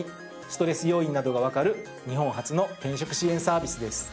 ストレス要因などがわかる日本初の転職支援サービスです。